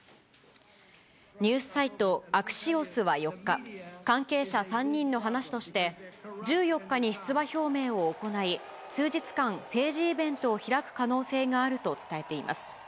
ニュースサイト、アクシオスは４日、関係者３人の話として、１４日に出馬表明を行い、数日間、政治イベントを開く可能性があると伝えています。